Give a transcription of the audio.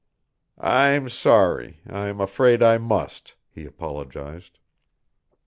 "I'm sorry; I'm afraid I must," he apologized.